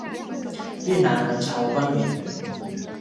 越南阮朝官员。